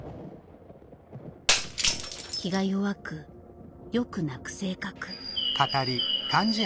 気が弱くよく泣く性格。